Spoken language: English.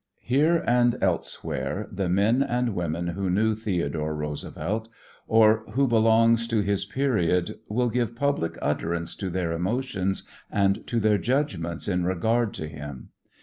Here and elsewhere the men and women who knew Theodore Roosevelt or who belong to his period will give public utterance to their emotions and to their judgments in regard to him.